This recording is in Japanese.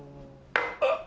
あっ！